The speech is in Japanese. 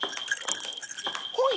ほい。